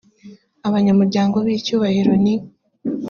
abanyamuryango b icyubahiro ni